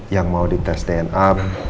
yang mau di tes dna